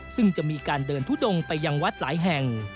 ซึ่งจะมีการเดินทุดงไปยังวัดหลายแห่ง